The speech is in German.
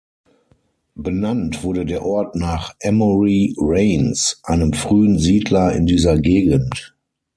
Benannt wurde der Ort nach "Emory Rains", einem frühen Siedler in dieser Gegend.